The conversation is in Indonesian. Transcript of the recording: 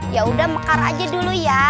yaudah mekar aja dulu ya